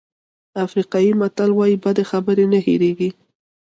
افریقایي متل وایي بدې خبرې نه هېرېږي.